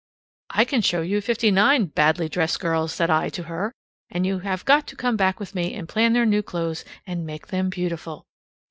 "I can show you fifty nine badly dressed girls," said I to her, "and you have got to come back with me and plan their new clothes and make them beautiful."